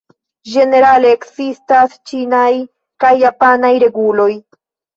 Ĝenerale ekzistas ĉinaj kaj japanaj reguloj.